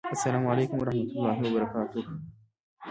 السلام علیکم ورحمة الله وبرکاته!